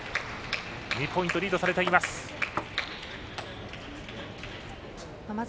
２ポイントリードされています。